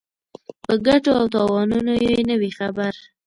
په ګټو او تاوانونو یې نه وي خبر.